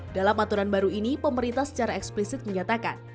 dalam aturan baru ini pemerintah secara eksplisit menyatakan